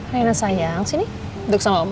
reina sayang sini duduk sama mama